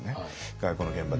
外交の現場で。